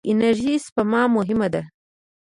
د انرژۍ سپما مهمه ده.